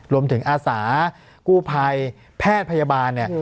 อาสากู้ภัยแพทย์พยาบาลเนี่ย